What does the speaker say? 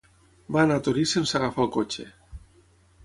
Va anar a Torís sense agafar el cotxe.